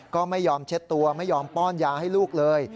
ก็ไม่ยอมเช็ดตัวไม่ยอมป้อนยาให้ลูกเลย